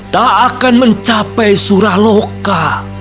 tak akan mencapai suraloka